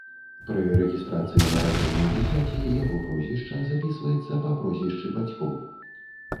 Пры рэгістрацыі нараджэння дзіцяці яго прозвішча запісваецца па прозвішчы бацькоў.